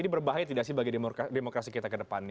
ini berbahaya tidak sih bagi demokrasi kita ke depannya